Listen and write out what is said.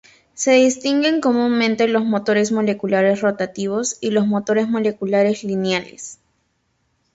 Se distinguen comúnmente los motores moleculares rotativos y los motores moleculares lineales.